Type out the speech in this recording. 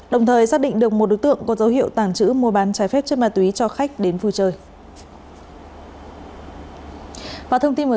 đồng thời xác định được một đối tượng có dấu hiệu tàng trữ mua bán trái phép chất ma túy cho khách đến vui chơi